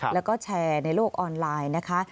แล้วก็แชร์ในโลกออนไลน์นะคะ